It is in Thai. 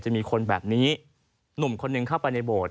จะมีคนแบบนี้หนุ่มคนหนึ่งเข้าไปในโบสถ